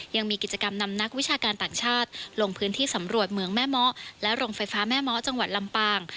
ยังมีกิจกรรมนำนักวิชาการต่างชาติลงพื้นที่สำรวจเมืองแม่เมาะและโรงไฟฟ้าแม่เมาะจังหวัดลำปาง